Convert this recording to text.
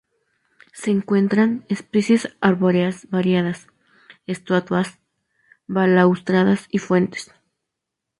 Se encuentran especies arbóreas variadas, estatuas, balaustradas y fuentes.